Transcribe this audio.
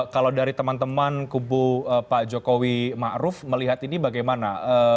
kalau dari teman teman kubu pak jokowi ma'ruf melihat ini bagaimana